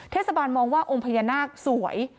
เทศบาลมองว่าองค์พญานาคสวย